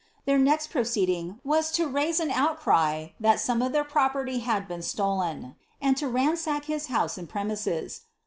Their next proceeding was to raise an outcry that some of their property had been itolen ; and, to ransack his house and premises.